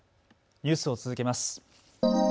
ニュースを続けます。